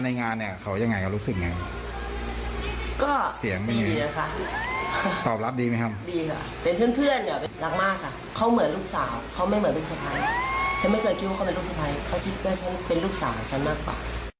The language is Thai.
ฉันไม่เคยคิดว่าเขาเป็นลูกสะพ้ายเขาคิดว่าฉันเป็นลูกสาวฉันมากกว่า